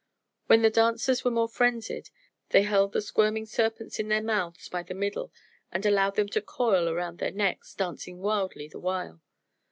When the dancers were more frenzied they held the squirming serpents in their mouths by the middle and allowed them to coil around their necks, dancing wildly the while.